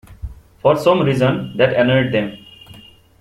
For some reason that annoyed them.